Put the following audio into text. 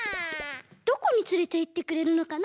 どこにつれていってくれるのかな？